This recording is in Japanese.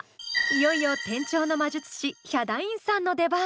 いよいよ転調の魔術師ヒャダインさんの出番。